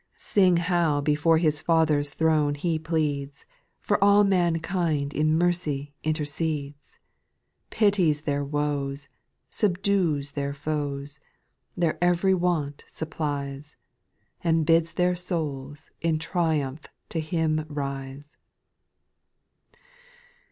3. Sing how before His Father's throne He pleads, For all mankind in mercy intercedes. Pities their woes, subdues their foes, Their every want supplies. And bids their souls in triumph to Him rise.